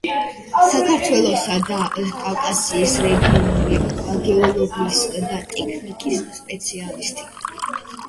საქართველოსა და კავკასიის რეგიონული გეოლოგიისა და ტექტონიკის სპეციალისტი.